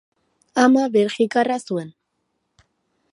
Ama belgikarra zuen.